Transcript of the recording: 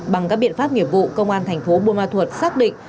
bằng các biện pháp nghiệp vụ công an thành phố buôn ma thuột xác định